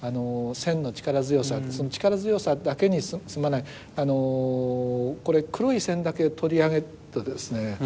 線の力強さ力強さだけに済まないこれ黒い線だけ取り上げるとですね